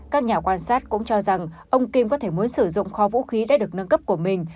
các nhà quan sát cũng cho rằng ông kim có thể muốn sử dụng kho vũ khí đã được nâng cấp của mình